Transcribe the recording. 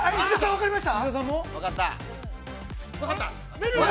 ◆わかりました。